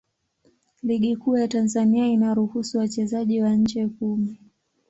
Ligi Kuu ya Tanzania inaruhusu wachezaji wa nje kumi.